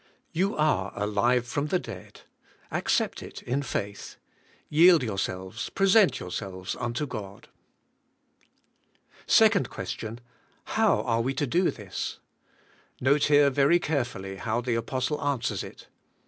You are alive from the dead; accept it in faith. Yield yourselves, present yourselves unto God. Second question: How are we to do this? Note here very carefully how the apostle answers it.